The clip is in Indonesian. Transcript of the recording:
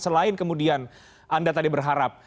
selain kemudian anda tadi berharap